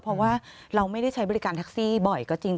เพราะว่าเราไม่ได้ใช้บริการแท็กซี่บ่อยก็จริง